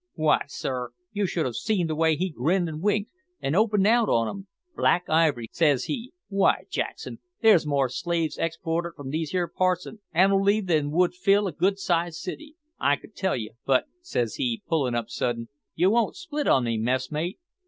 W'y, sir, you should have seen the way he grinned and winked, and opened out on 'em. `Black Ivory!' says he, `w'y, Jackson, there's more slaves exported from these here parts annooally than would fill a good sized city. I could tell you but,' says he, pullin' up sudden, `you won't split on me, messmate?'